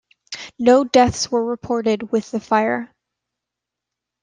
No deaths were reported with the fire.